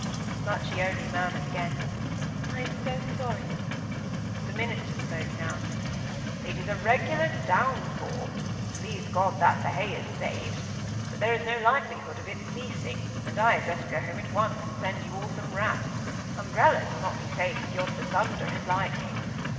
but she only murmured again, "I am so sorry." The minister spoke now. "It is a regular downpour. Please God that the hay is saved! But there is no likelihood of its ceasing, and I had better go home at once, and send you all some wraps; umbrellas will not be safe with yonder thunder and lightning."